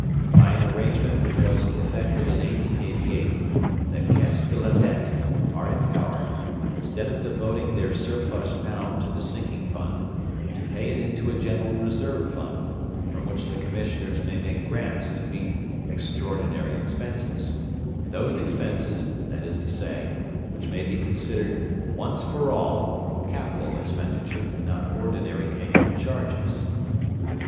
By an arrangement which was effected in 1888, the Caisse de la Dette are empowered, instead of devoting their surplus pound to the sinking fund, to pay it into a general reserve fund, from which the Commissioners may make grants to meet 'extraordinary expenses'; those expenses, that is to say, which may be considered 'once for all'(capital) expenditure and not ordinary annual charges.